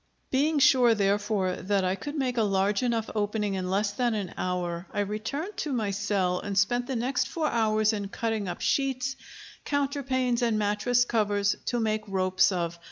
Being sure, therefore, that I could make a large enough opening in less than an hour, I returned to my cell and spent the next four hours in cutting up sheets, counterpanes, and mattress covers, to make ropes of.